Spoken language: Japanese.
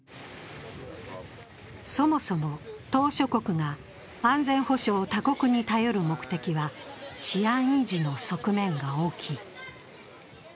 そもそも島しょ国が安全保障を他国に頼る目的は治安維持の側面が大きい。